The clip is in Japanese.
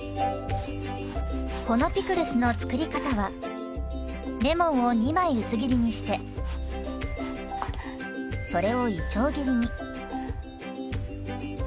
このピクルスの作り方はレモンを２枚薄切りにしてそれをいちょう切りに。